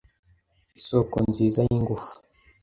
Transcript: Isoko nziza y’ingufu